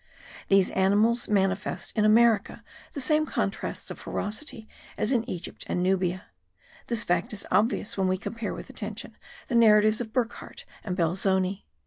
These animals manifest in America the same contrasts of ferocity as in Egypt and Nubia: this fact is obvious when we compare with attention the narratives of Burckhardt and Belzoni.